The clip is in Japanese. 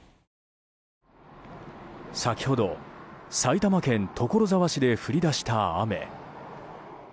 先ほど埼玉県所沢市で降り出した雨。